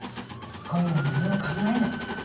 今夜は何も考えない。